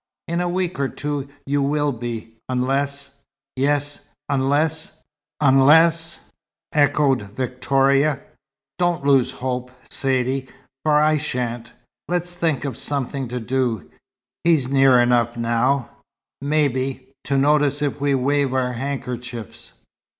In a week or two you will be, unless " "Yes. Unless unless!" echoed Victoria. "Don't lose hope, Saidee, for I shan't. Let's think of something to do. He's near enough now, maybe, to notice if we wave our handkerchiefs."